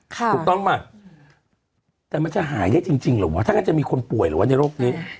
ถูกต้องป่ะแต่มันจะหายได้จริงเหรอวะถ้างั้นจะมีคนป่วยหรือว่าในโรคนี้